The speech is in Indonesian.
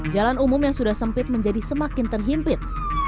jalan umum yang sudah sempit menjadi semakin terhimpit